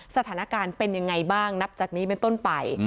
สถานการณ์เป็นยังไงบ้างนับจากนี้เป็นต้นไป